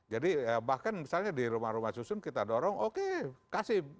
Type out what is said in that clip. jadi bahkan misalnya di rumah rumah susun kita dorong oke kasih